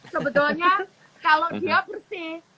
sebetulnya kalau dia bersih